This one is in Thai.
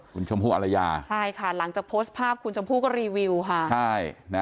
คุณชมพู่อรยาใช่ค่ะหลังจากโพสต์ภาพคุณชมพู่ก็รีวิวค่ะใช่นะ